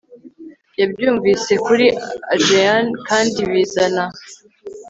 Yabyumvise kuri Agean kandi bizana